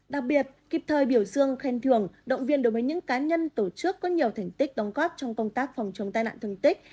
đặc biệt kịp thời biểu dương khen thường động viên đối với những cá nhân tổ chức có nhiều thành tích đóng góp trong công tác phòng chống tai nạn thương tích